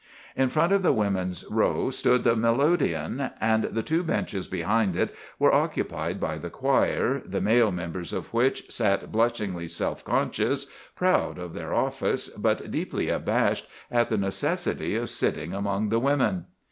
"In front of the women's row stood the melodeon; and the two benches behind it were occupied by the choir, the male members of which sat blushingly self conscious, proud of their office, but deeply abashed at the necessity of sitting among the women.